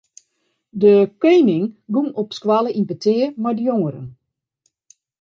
De koaning gong op de skoalle yn petear mei de jongeren.